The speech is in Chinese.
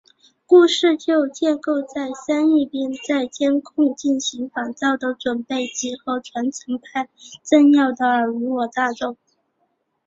故事就建构在珊一边在监控下进行仿造的准备及和传承派政要的尔虞我诈中。